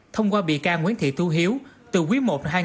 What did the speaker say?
thông qua bị ca nguyễn thị thu hiếu từ quý i hai nghìn một